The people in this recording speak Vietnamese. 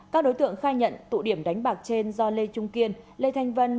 các đối tượng khai nhận tụ điểm đánh bạc trên do lê trung kiên lê thanh vân